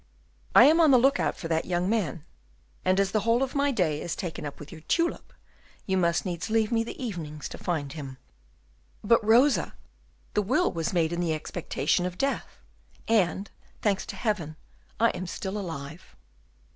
I am on the look out for that young man, and as the whole of my day is taken up with your tulip, you must needs leave me the evenings to find him." "But, Rosa, the will was made in the expectation of death, and, thanks to Heaven, I am still alive."